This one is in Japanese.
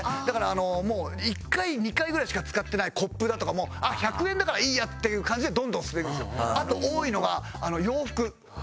だから１２回ぐらいしか使ってないコップだとかも１００円だからいいやっていう感じでどんどん捨てていくんですよ。